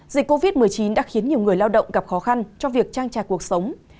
dịch covid một mươi chín đã khiến nhiều người lao động gặp khó khăn cho việc trang trải cuộc sống